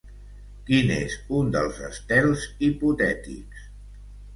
Quin és un dels estels hipotètics?